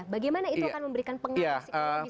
bagaimana itu akan memberikan pengaruh psikologis